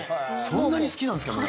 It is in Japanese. そんなに好きなんすか？